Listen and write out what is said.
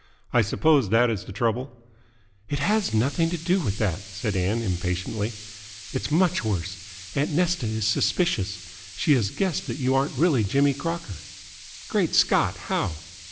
I suppose that is the trouble?" "It has nothing do with that," said Ann impatiently. "It's much worse. Aunt Nesta is suspicious. She has guessed that you aren't really Jimmy Crocker." "Great Scott! How?"